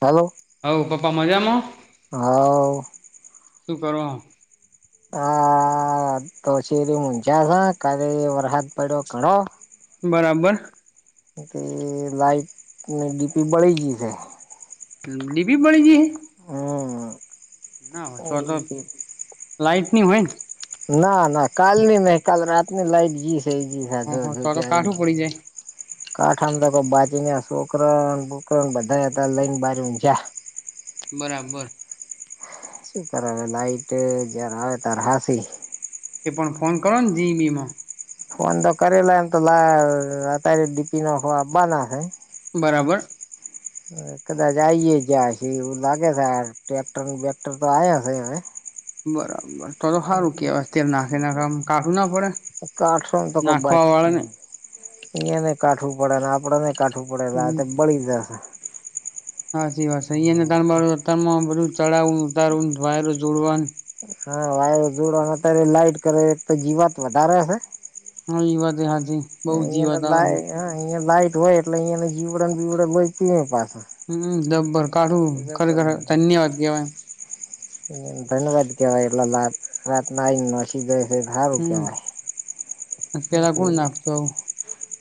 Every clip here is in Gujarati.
હલો હ પપ્પા મજામાં હવ શું કરવા હ તોશેરી મુંચ કદી વરહત પડ્યો ઘણો બરાબર તે લઇટ અને ડીપી બડી જીશે ડીપી બડી ગઈ હ હમ ના હોય તો તો લાાઈટની હોય ને ના ના કાલ ની નહી કાલ રાતની લાઈટ જીસે એ જી હ જો હ જો તો તો તોઈ કાઠું પડી જાય કાઠામ બાચીને છોકરણ બુકરણ બધા લઈને બાર ઊગયા બરાબર શ હ લાઈટ જયાર આવે તાર હાસી કે પણ ફોન કરન જીબીમાં ફોન તો કરેલા એમ તો લ અત્યારે ડીપી નોખવા આબના હે બરાબર કદાચ આઈ જયા એવું લાગે છે ટ્રેક્ટર બેક્ટર તો આવયા છે હવે બરાબર. તો તો સારું કેહેવાય તે નાખી નાખ કાઢું ના પડે નાખવા વાળા ને અહયા નને કાઠવું પડે આપડ નને કાઠવું પડે આ બળી જશે હચી વાત છે અહીંયા ને તણણ માં બધું ચડાવું ઉતારવું વાયરો જોડવા હા વાયરો જોડવાના અત્યારે લાઈટ કરે તો જીવાત વધારે હશે હા ઈ વાત હાજ બઉ જી વાત આવે હ અહંયા લાઈટ હોય એટલે અહંયાને જીવણ બીવડ હોય પ પાછ હમ જબ્બર કાઢું ખરખર ધન્યવાદ કેેવાય હ ધન્યવાદ કેવા એલા રાત ના ન જાય છે હારું કેવાય હમ પેલા કોણ બાકી નાખતું આવું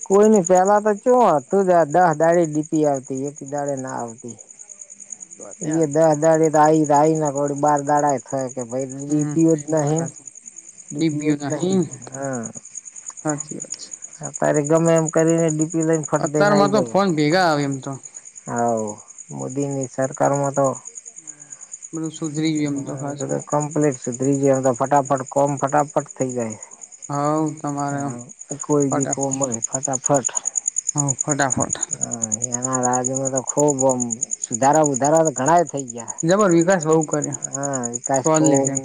કોઈ ન પેલા તો ચ તું દસ દાળે ડીપી આવતી એક દાળે ના આવતી વાત એ હાચી દસ દાડે તો આ આવી આ આવીને થડી બાર દાડ થ કે ભાઈ હમ લીપીઓ જ થઈ તો વાત નહી હાચી લીપીઓ ડીપીયુ જ નહી નહીં હા હાચી વાત છે અ, ત્યારે ગમે એમ કરીને ડીપી લઈને ફટ દઈને અત્યારમાં આવી તો જાવ. ફોન ભેગા આવે એમ તો. આવા મોદીની સરકાર મા તો હા. કમ્પ્લીટ સુધરી જ એમ તો, ફટાફટ કોમ ફટાફટ થઇ જાય. હાવ તમારે હ કોકઈદી કો ઉમ હફાટ આપફાટ [unintelligible] હ, ફટાફટ. હ, તેના રાજમાં તો ખુબ સુધારા વધધારા તો ઘણા થઇ ગયા. બરાબર, વિકાસ બહુ. કર્યો હા, વિકાસ સોલિડ ખૂબ એમ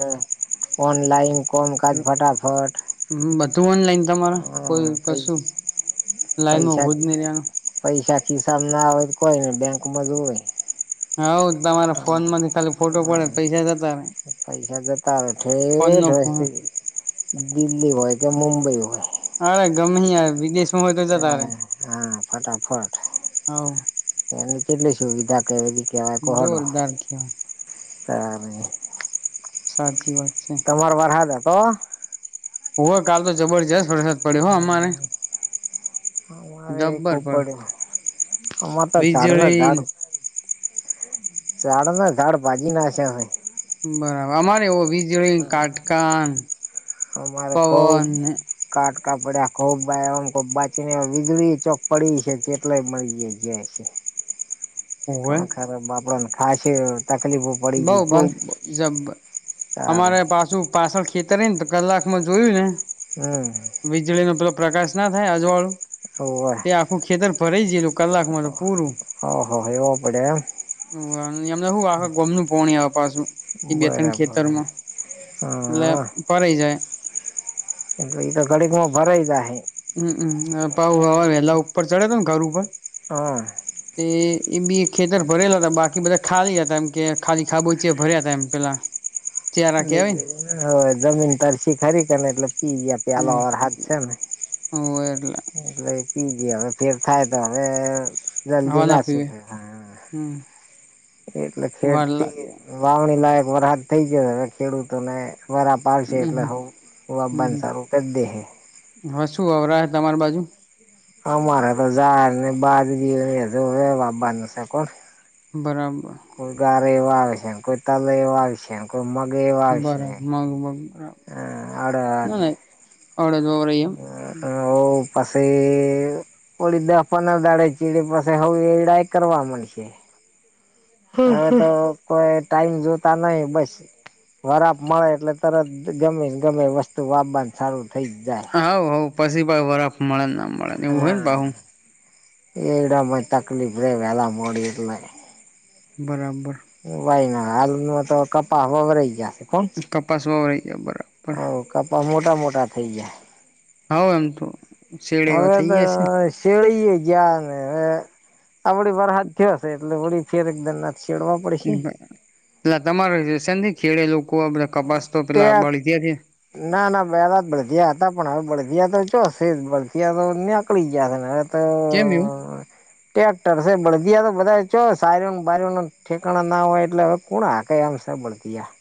ઓનલાઇન ફોર્મ ફટાફટ. હ, બધું ઓનલાઈન, તમારા કોઈ હા પૈ કશું લાઈન માં પૈસા હોવ જ નહીં ની. પૈસા ખિસાબ ના હોય, કોઈ ને બેંકમાં જ હોય. હઉ તમારા ફોન માંથી ખાલી ફોટો પડે પૈસા જતા ને. પૈસા જતા હોય, ઠેઠ વષથી દિલ્હી હોય કે મુંબઈ હોય. અરે, ગમે આવે વિદેશ હ હા. ફટાફટ હાવ એની કેટલી સુવિધા કે કેવાય કોહડો. જોરદાર કેવાય ત [unintelligible] સાચી વાત છે. તમારા વરસાદ કહો? ઓ કાલ તો જબરજસ્ત વરસાદ પડ્યો હો અમારે હમ, હ. મારે એ જબ્બર ખૂબ પડે, પડ અમારે તો ઝાડ ને વીજળી ઝાડ. ઝાડ ના ઝાડ ભાજી નાખ્યા અહીં. બરાબર, અમારે એવો વીજળી કાટકા અમારે ખૂબ કાટકા પડ્યા, ખોબમબ બાચી વીજળી ચોક પડી છે. એટલાય મળી જ જાય છે, હોવે તણ ખરાબ આપડને ખા છે. બઉ બઉ જબ, તારે અમારે પાછું. પાછળ ખેતર રહી ને, તો કલાકમાં જોયું ને. હમ. વીજળી નો પેલો પ્રકાશ ના થાય, અજવાળું. ઓવે તે આખું ખેતર ફરાઈ ગયેલું, કલાકમાં તો પૂરું. ઓહો એવો પડે એમ એમને, હું આખા ગામનું પાણી પાછું. એ બે તણ બરાબર ખેતરમાં એટલે હા પરે જાય. એ એ તો ઘડીમાં બરાઈ જાય. હમ, પાવ હવા વેલા ઉપર ચડે તો ને ઘર ઉપર હા. તે એ બી ખેતર ભરેલા હતા, બાકી બધા ખાલી હતા. એમ કે, ખાલી ખાબોચિયાં છે, ભર્યા હતા એમ પેલાં એટલે હવે જમીન તરસી ખરીખ ને, એટલે લપસી ગયા પ્યાલોર વરસાદ. છેને. હ, હોરલે. એટલે પી ગયા હવે, ફેર થાય તો હમે. હવા ના પીવે. એટલે વાર લાગે ખેતીતી વાવણી લાયક વરહાદ થઇ ગયો હવે, ખેડૂતોને વરા બાાર શેટ હમ લવ અ હમ બનસારું કરી દેેૈ. હવે શું અરા, તમારી બાજુ? અમારે તો જારને બાદે વાબાનું છે કોણ બરાબર. કોઈ ગારે એવવા આ આવશ્યક, કોઈ તલા એવા આ બરાબર આવશ્યક. મગ મગ બરાબર [unintelligible] આ ના અડદ ના અડદ [unintelligible] આ ઓવ પસીવ ઓલી દહ પંદર દાડે ચીડી પસી હાવ એડાય કરવા મંડશે. હવે તો કોઈ ટાઈમ જોતા નહીં, બસ વરાપ મળે એટલે તરત ગમે-ગમે ઈ વસ્તુ [unintelligible] સારું થઇ જ જાય. હોવ-હોવ, પછી ભાઈ વરફ મળે ના મળે એવું હોય ને પાહુ હા. એડા ભાઈ તકલીફ રેવે વેરા મોડી [unintelligible] બરાબર. વાય ના હાલ નું તો કપાહ [unintelligible] કપાસવા [unintelligible] કપાહ મોટા-મોટા થઈ જાય હે. હોવ એમ તો શેડ એવા હવે થઈ તો ગયા શેરડી એઈ ગયા ને હવે [unintelligible] એલા તમારે [unintelligible] ખેડે લોકો આપણે કપાસ તો પેલા ટેક બળી ગયા હે ના, ના [unintelligible] હતા, પણ હવે બળદિયા તો ચો સે જ, બળદિયા તો નીકળી ગયા હવે. તો કેમ એવું ટ્રેક્ટર છે, બળદિયા તો બધા ચો સાયરુંનું બાયરુંનું ઠેકાણા ના હોય એટલે હવે કોણ હાકે હવસે બળદિયાં.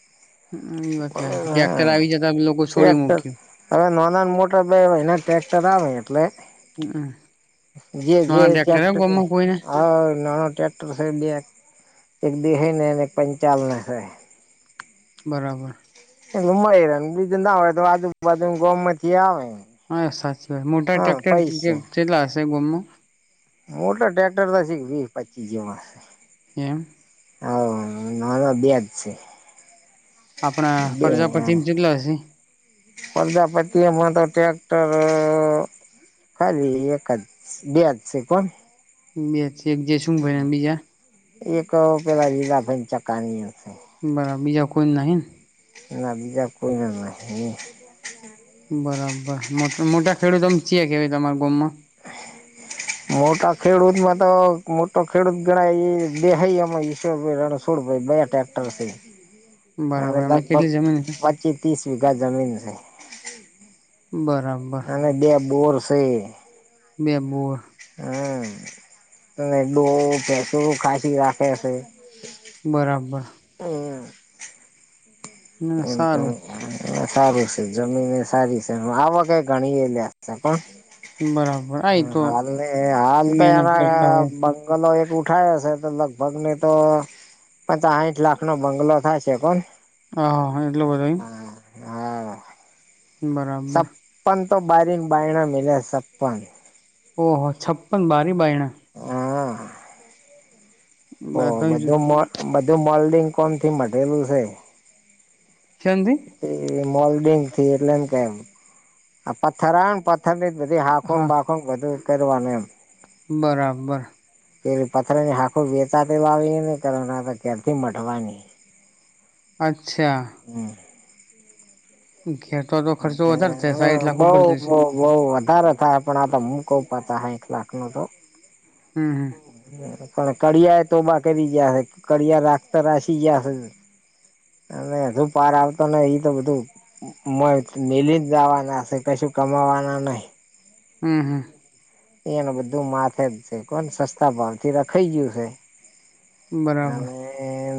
હમ્મ-હમ્મ. ઈ વાત [unintelligible] ટ્રેકટર આવી જતા તમ લોકોએ છોડી ટ્રેક્ટર મૂક્યું. હવે નાન મોટર બે હોય હવે એના ટેકટર આવે એટલે જે-જે નાના ટ્રેક્ટર હે ગોમમાં કોઈને [unintelligible] હા નાનો ટ્રેક્ટર છે બે, એક દેહેય ને એક પંચાલને સે. બરાબર. [unintelligible] ના હોય તો આજુબાજુન ગોમ માંથી આવે. હા સાચી વાત. મોટા હા ટ્રેક્ટર પૈસા [unintelligible] હશે ગોમો મોટા ટ્રેક્ટર તો [unintelligible] વીસ પચીહ જેવા હે. એમ. [unintelligible] બે જ સે. આપણા પ્રજાપતિમ કેટલા શે? પ્રજાપતિ એમાં તો ટ્રેક્ટર ખાલી એક જ, બે જ સે કોણ. બે [unintelligible] બીજા એક પેલા લીલા ભાઈન ચકાની હશે. બરાબર બીજા કોઈ નહીન? ના બીજા કોઈ ના નહિં. [inaudible] બરાબર. મોટ મોટા ખેડૂતમ ચે કેવા તમાર ગમમાં. [inaudible] મોટા ખેડૂતમાં તો મોટો ખેડૂત ગણાય ઈ દેહાઈ એમાં ઈશ્વરભાઈ રણ છોડ ભાઈ બે ટક્ટર સે, અને બરાબર એમને લગભગ કેટલી જમીન છે પ ચી તીસ વીઘા જમીન સે. બરાબ. અને બે બોર સે. બે બોર હમ્મ. અને [unintelligible] રાખે સે. બરાબર. [inaudible] ના એમ તો સારું સારું છે જમીન એ સારી છે આ વ કઈ ગણી એ લ્યાશે પણ બરાબર આ હ તો અાલ હાલ તો મહેનત કરતા એના હોય બ ગલો એક ઉઠાવ છે તો લગભગ ની તો પ આઠ લાખ નો બંગલો થાય છે પણ હાાા એટલું બધા હ હા બરાબર સબ પણ તો બારીક બાાયણ મિલ સપપન ઓહ છપ્પન બારી બાઈણ હા ઓ બધું બધું મોલ્ડિંગ કોણ થી મટેલું છે ક્ષમી મોલ્ડિંગ થી એટલે એમ કેમ આ પથ્થર આવે ને પથ્થર ની બધી હાખું હા બાખો બધું કરવાનું એમ બરાબર પે પથર ની હાખું વેચ કર કેથી મટવાની અચ્છા હમ ખેતો તો ખર્ચો વધારે થાય સાઈઠ લાખ ઉપર જશે બહ વધારે થાય પણ આ હું કઉ પાતા હ એક લાખ નો તો હમમ પણ કિયા એ તોબા કરી જયાશે કિયા રાખતા રાસીી જયાશે અને હજુ પાર આવતો ને એ તો બધું મ મેલીિત જવાનાશે કશું કમાવાના નહી હમ હા એને બધું માથે જ છે કોણ સસ્તા ભાવ થી રખાઈ ગયું છે બરાબર અને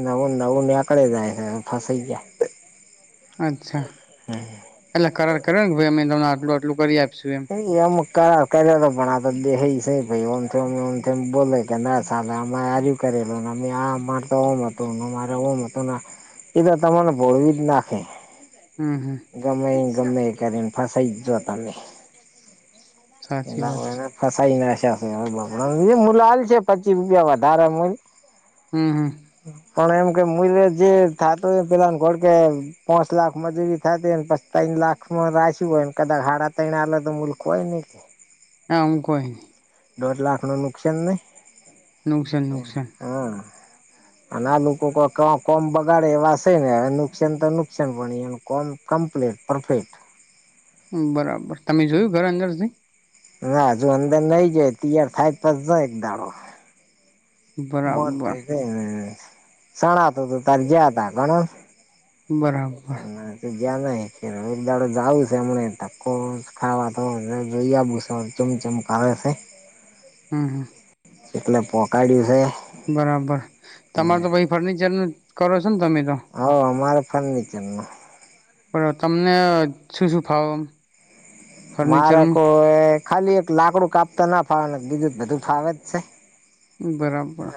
નવું નવું નીકળે જાય છે ફસાઈ ગયા અચ્છા એટલે કરાર કર્યો ને ભાઈ અમે તમને આટલું આટલું કરી આપશું એમ એમ કર કર્યો તો પણ આતો દે છેમમ એમ બોલે કે ના અ કરેલને આ મારે તોમ હતું મારે ઓમ હતું ને એ તો તમાને ભોળવી જ નાખે હમ હમ ગમે ગમે કરીને ફસાઈ જજ તમે સાચી વાત છે એલા ફસાઈ ના મલાાલ છે પચીસ રૂપિયા વધારે મલ હમ હમ પણ એમ કે મુ જે થતોું એ પેલા ઘર કે પાંચ લાખમાં જેવી ને પસ્તા લાખમાં રાશ્યું હોયને કદાચ હાડા ત આ તો મુૂલ્ખ હોય ને નામું કઈ દોઢ લાખ નું નુકસાન નહ નુકસાન નુકસાન હા અને આ લોકો કોઈ ક કોમ બગાડે એવા છે ને નુકસાન તો નુકસાન પણ કોમ કમપ્લેટ પરફેક્ટ બરાબર તમે જોયું ઘર અંદર જ ના હજુ અંદર નઈ જાય તૈયાર થાય તો ન એક દાડો બરાબર મોરથી સણા હતું તું તારી ગયા ત ગણો બરાબર એ ના ગયા ન ખ એકદાડ જાઉું છે એમ તકો ખાવા તો જોઈયા બુસન ચમ ચમકાારે છે હા હા એટલે પકા દિવસે બરાબર તમાર તો પાઈ ફર્નિચર ન કરો છો ને તમે તો હ અમારે ફર્નિચર ન બ તમને શું શું ફાવ એમ? મારે કો ખાલી એક લાકડું કાપતા ના ફાવે બીજું જ બધું ફાવે જ છે બરાબર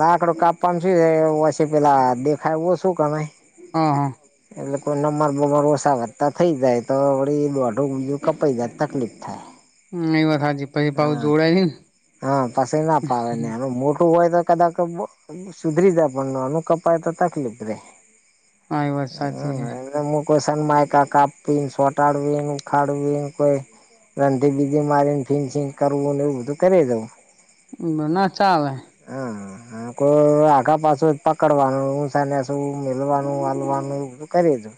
લાકડું કાપવાનું શું હે પછી પેલા દેખાય ઓસુ કેનય [inaudible] એટલે કોઈ નમર બમર ઓસા વત્તા થઈ જાય તો વળી દોઢું બીજું કપાઈ જાય તકલીફ થાય હમ્મ એ વાત હાચી. હા હા પસી ના ફાવેને એનું મોટું હોય તો કદાક કબ બો સુધરી જાય પણ નાનું કપાય તો તકલીફ રેય. અહીં વરસાદી હેય. કે મુ કો સન માયકા કા કાપવી શોટાડવી ને ઉખાડવી કોઈ રંધી બીજી મારીને ફિનશિંગ કરવુંને એવું બધું કરી દઉં. બના ચા લે હા. હા કો આઘા પાસુ જ પકડવાનું ઉસાનેસું, મેલવાનું, આલવાનું. [unintelligible] તો.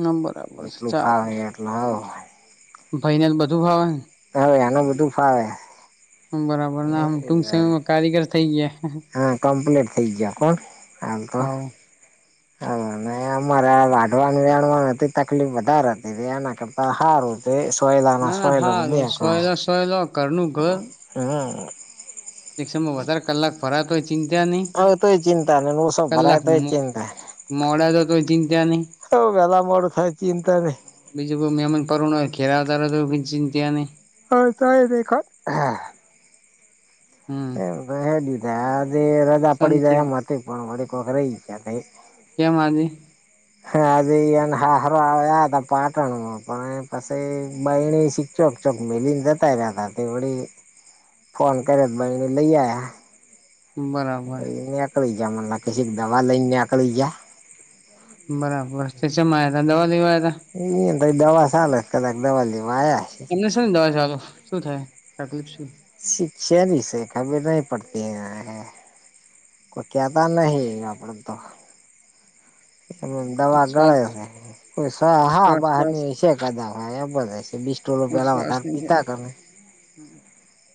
ના બરાબર ચાલ. નાહવા હોય. ભઈને બધું ફાવે? હવે એનું બધું ફાવે. બરાબર આમ ટૂંક સમયમાં કારીગર થઇ ગઈ હ કોમપ્લીટ થઈ ગયા કોન આમ તો. હાવ હા અમે અમારા વાઢવાની લણવા તે તકલીફ વધારે હતી એના કરતા હારુ તે સોયલાનો ના ના સોયલો હારુ દે કો સોયલો સોયલો ઘરનું હમ્મ. એક સમય વધારે કલાક ફરાતોય ચિંતા નહી હવે તો એ ચિંતા નઈ ઓછો ભરાય કલાક તો એ મો ચિંતા મોડા જતોય ચિંતા નહીં? તો વેલા મોડું થાય ચિંતા નહી. બીજું કોઈ મહેમન પરુણ હોય ઘેર‌આવતા રય તોબી ચિંતા નય. હ તાય રેખા હા. હમ એમ બુધવારની રા જે રજા પડી શાંતિ જાય એમ હતી પણ વડી કોક રહીયા એ કેમ આજે? હ આજે એન હાહરો આયા હતા પાટણમાં પણ પસી બયણી શી ચોક ચોક મેલીને જતા રહ્યાતા તે વળી ફોન કર્યોત બરણી લઈ આયા. બરાબર એ નેકળી જ્યા મન લાગ સે દવા લઈ નેકળી જ્યા. બરાબર તો ચેમ [unintelligible] દવા લેવા આયરા? એ એ ત દવા સાલે કદાક દવા લેવા આયા હશે. એમને શું દવા ચાલુ શું થાય તકલીફ શું? શિક્ શેની સે ખબર નહીં પડતી એને. કોઈ કેતા નહી આપડે તો. એ દવા શ્વાસ ગળાય હા કો સા હા શ્વાસ શ્વાસ બહારની હશે. [unintelligible] હા એ બધસે બીસટોલો પેલા વધારે શ્વાસની છે પીતા હતો ને.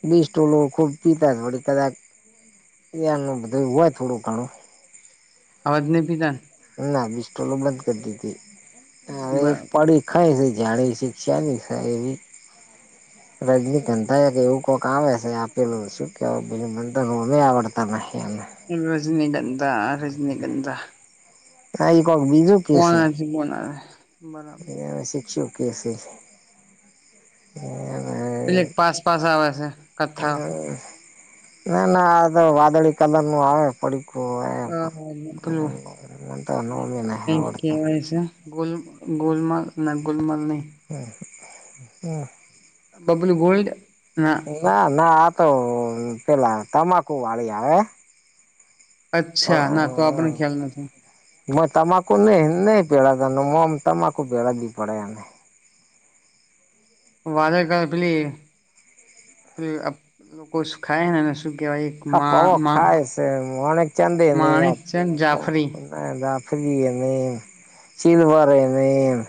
બીસ્ટોલો ખુબ પીતાત વડી કદાક પીવાનુ કે બધુ હોય થોડું ઘણું. હવે તો નઈ પીતા? ના બીસ્ટોલો બંધ કરી દીધી હવે બરાબર એકપડી કઈસે જાણીસી ચ સાની એવી. રજનીકંધા કે એવું કોક આવે સે આપેલું શું કેવાય મનતો નહીં આવડતા નહીં [unintelligible] રજનીગંધા રજનીગંધા. આ ઈ કોક બીજું કોના હજી બોલાવે. એ શિકષઓ કેસે એ પેલે પાસ પાસ આવે છે કથ્થા. ના ના આ તો વાદળી કલર નું આવે. પડીકો એમ પેલું મન તો નામી નહીં આવડતા. ગુલ ગુલમાલ ના ગુલમાલ નહી. હમ્મ હામ. બબલ ગોલ્ડ ના. ના ના આ તો પેલા તમાકુ વાળી આવે અચ્છા ના તો આપણને ખ્યાલ નથી મ તમાકુ નહી નહી પેડાદ નમ તમાકુ પેડા દી પડેને વાદર કર પેલી પ લોકો સુ ખાયને શું કેહેવાય હા પવો ખાય છે અ ચાંદી ન માણેક છે ને પ જાફરી નાફ્ર એનેમ ચીલવારે એ મેમ